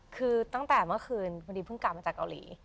คือตั้งแต่เมื่อคืนพอดีเพิ่งกลับมาจากเกาหลี